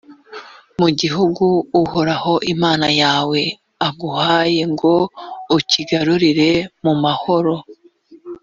mu gihugu uhoraho imana yawe aguhaye ngo ukigarurire mu mahoro.